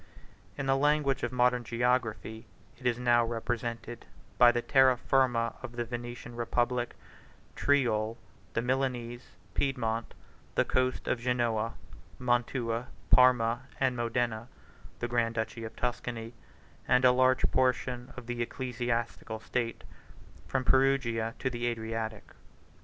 In the language of modern geography, it is now represented by the Terra Firma of the Venetian republic, Tyrol, the Milanese, Piedmont, the coast of Genoa, Mantua, Parma, and Modena, the grand duchy of Tuscany, and a large portion of the ecclesiastical state from Perugia to the Adriatic.